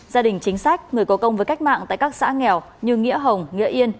gia đình chính sách người có công với cách mạng tại các xã nghèo như nghĩa hồng nghĩa yên